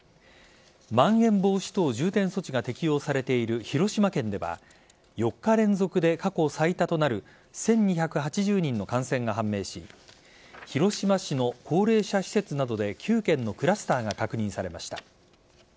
まん延防止等重点措置が適用されている、広島県では４日連続で過去最多となる１２８０人の感染が判明し広島市の高齢者施設などで９件のクラスターが確認されました。